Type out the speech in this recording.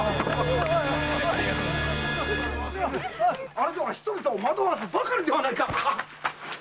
あれでは人々を惑わすばかりではないか！